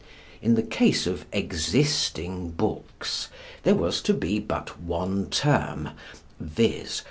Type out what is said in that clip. In the case of existing books, there was to be but one term viz.